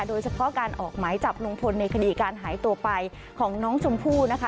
โดยเฉพาะการออกหมายจับลุงพลในคดีการหายตัวไปของน้องชมพู่นะคะ